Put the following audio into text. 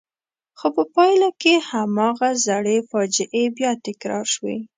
خو په پایله کې هماغه زړې فاجعې بیا تکرار شوې.